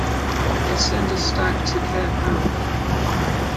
They send a stag to Cair Paravel.